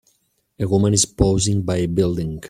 A woman is posing by a building.